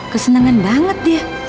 kesenangan banget dia